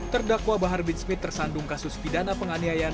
terdakwa bahar bin smith tersandung kasus pidana penganiayaan